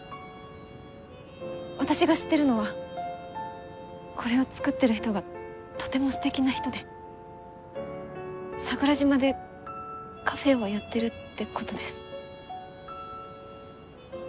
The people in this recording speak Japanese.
私が知ってるのはこれを作ってる人がとてもすてきな人で桜島でカフェをやってるってことです。